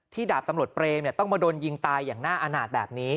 ดาบตำรวจเปรมต้องมาโดนยิงตายอย่างน่าอาณาจแบบนี้